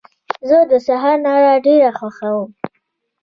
زه د سهار رڼا ډېره خوښوم.